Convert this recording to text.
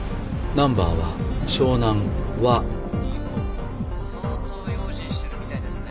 ナンバーは「湘南わ２５−０４」相当用心してるみたいですね。